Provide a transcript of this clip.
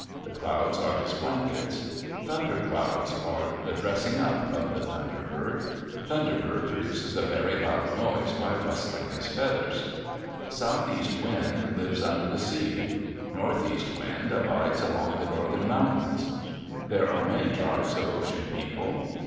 The clouds are his blankets. Thunderclouds are the "dressing up" of the Thunder Bird. Thunder Bird produces a very loud noise by rustling his feathers. Southeast Wind lives under the sea. Northeast Wind abides along the northern mountains. There are many tribes of Ocean People.